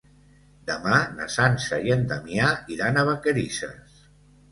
Demà na Sança i en Damià iran a Vacarisses.